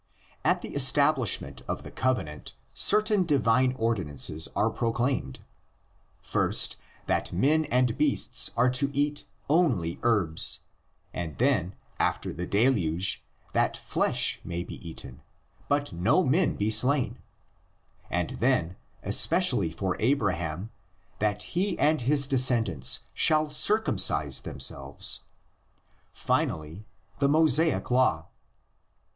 At the establishment of the Covenant certain divine ordinances are proclaimed: CODEX AND FINAL REDACTION. 149 first, that men and beasts are to eat only herbs, and then, after the Deluge, that flesh may be eaten but no men be slain, and then, especially for Abraham, that he and his descendants shall circumcise them selves; finally, the Mosaic law.